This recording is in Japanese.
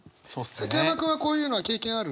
崎山君はこういうのは経験ある？